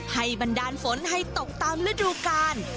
บันดาลฝนให้ตกตามฤดูกาล